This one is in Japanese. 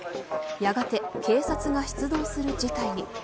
やがて警察が出動する事態に。